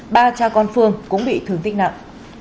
ba cha con phương cũng bị thương tích nặng